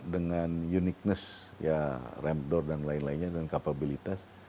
dua ratus tiga puluh lima dengan uniqueness ya ramp door dan lain lainnya dan kapabilitas